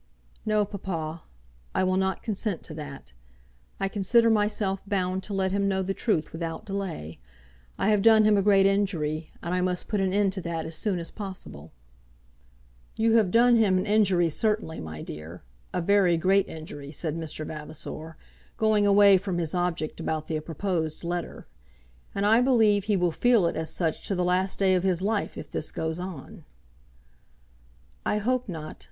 "No, papa; I will not consent to that. I consider myself bound to let him know the truth without delay. I have done him a great injury, and I must put an end to that as soon as possible." "You have done him an injury certainly, my dear; a very great injury," said Mr. Vavasor, going away from his object about the proposed letter; "and I believe he will feel it as such to the last day of his life, if this goes on." "I hope not.